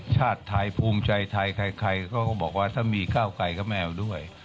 ชาติไทยภูมิใจไทยใครเขาก็บอกว่าถ้ามีก้าวไกลก็ไม่เอาด้วย